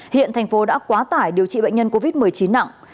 hiện thành phố đã quá tải điều trị bệnh nhân covid một mươi chín nặng